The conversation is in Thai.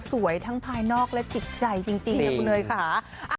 สวยทั้งภายนอกและจิตใจจริงนะคุณเนยค่ะ